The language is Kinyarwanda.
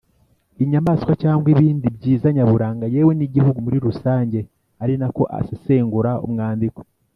inyamaswa cyangwa ibindi byiza nyaburanga yewe n’igihugu muri rusange ari nako asesengura umwandiko.